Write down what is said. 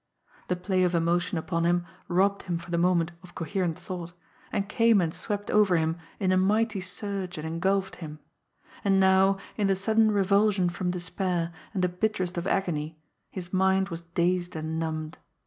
The play of emotion upon him robbed him for the moment of coherent thought, and came and swept over him in a mighty surge and engulfed him; and now in the sudden revulsion from despair and the bitterest of agony his mind was dazed and numbed.